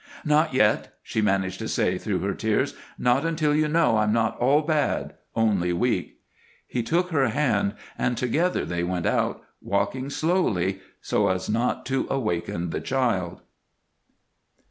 "Not yet!" she managed to say through her tears. "Not until you know I'm not all bad only weak." He took her hand and together they went out, walking slowly so as not to awaken the child.